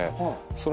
それ。